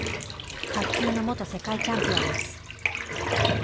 卓球の元世界チャンピオンです。